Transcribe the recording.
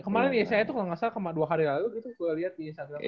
kemaren yesaya itu kalo gak salah dua hari lalu gitu gue liat di instagram